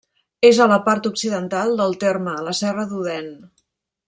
És a la part occidental del terme, a la Serra d'Odèn.